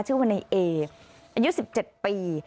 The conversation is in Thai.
ชื่อว่าในเออายุ๑๗ปี